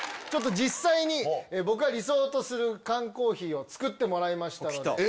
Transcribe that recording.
ちょっと実際に、僕が理想とする缶コーヒーを作ってもらいましたので。